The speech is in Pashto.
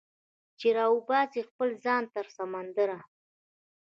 چې راوباسي خپل ځان تر سمندره